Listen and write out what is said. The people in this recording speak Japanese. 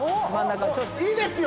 いいですよ。